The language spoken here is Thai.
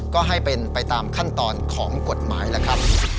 ก็ให้เป็นไปตามขั้นตอนของกฎหมายล่ะครับ